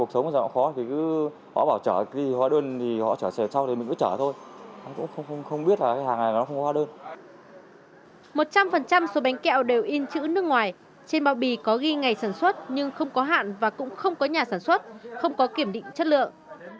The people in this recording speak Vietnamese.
một trăm linh số bánh kẹo đều in chữ nước ngoài trên bao bì có ghi ngày sản xuất nhưng không có hạn và cũng không có nhà sản xuất không có kiểm định chất lượng